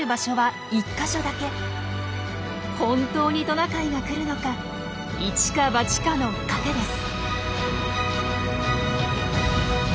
本当にトナカイが来るのか一か八かの賭けです。